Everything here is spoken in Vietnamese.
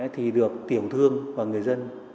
thì được tiểu thương và người dân